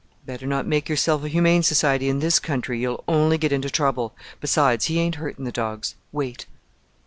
"Better not make yourself a Humane Society in this country; you'll only get into trouble besides, he ain't hurting the dogs: wait!"